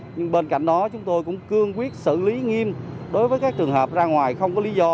nhưng bên cạnh đó chúng tôi cũng cương quyết xử lý nghiêm đối với các trường hợp ra ngoài không có lý do